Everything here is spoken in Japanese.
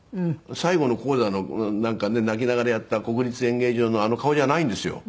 最後の高座のなんかね泣きながらやった国立演芸場のあの顔じゃないんですよ。